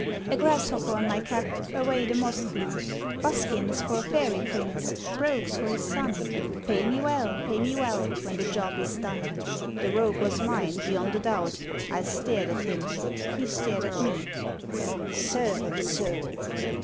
(A grasshopper on my cap! Away the moth flew!) Buskins for a fairy prince, Brogues for his son, Pay me well, pay me well, When the job is done!' The rogue was mine, beyond a doubt. I stared at him; he stared at me; 'Servant, Sir!'